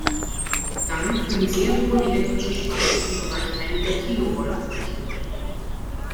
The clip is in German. Damit können sehr hohe elektrische Spannungen im Bereich einiger Kilovolt erreicht werden.